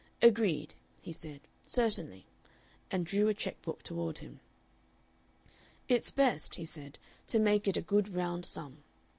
"Agreed," he said, "certainly," and drew a checkbook toward him. "It's best," he said, "to make it a good round sum.